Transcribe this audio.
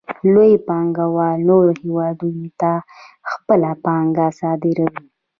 لوی پانګوال نورو هېوادونو ته خپله پانګه صادروي